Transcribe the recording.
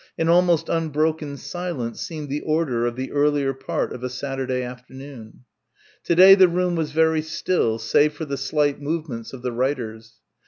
An almost unbroken silence seemed the order of the earlier part of a Saturday afternoon. To day the room was very still, save for the slight movements of the writers.